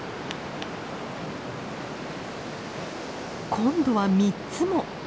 今度は３つも。